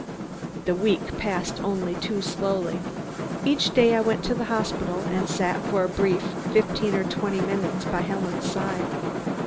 The week passed only too slowly. Each day I went to the hospital and sat for a brief fifteen or twenty minutes by Helen's side.